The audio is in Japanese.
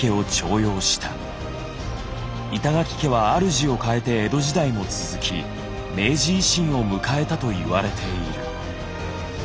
板垣家は主を変えて江戸時代も続き明治維新を迎えたと言われている。